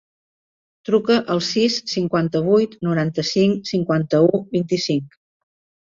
Truca al sis, cinquanta-vuit, noranta-cinc, cinquanta-u, vint-i-cinc.